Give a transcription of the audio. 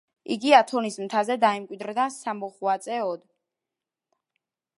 იგი ათონის მთაზე დაემკვიდრა სამოღვაწეოდ.